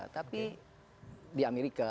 tapi di amerika